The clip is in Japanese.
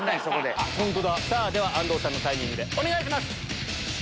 では安藤さんのタイミングでお願いします！